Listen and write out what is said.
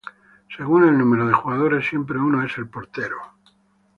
Según el número de jugadores siempre uno es el portero.